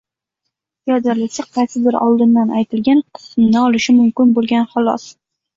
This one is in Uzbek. Feodal esa qaysidir oldindan aytilgan qismini olishi mumkin bo‘lgan xolos.